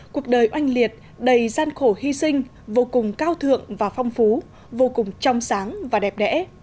cuộc đời oanh liệt đầy gian khổ hy sinh vô cùng cao thượng và phong phú vô cùng trong sáng và đẹp đẽ